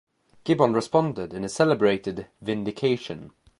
Gibbon responded in his celebrated "Vindication".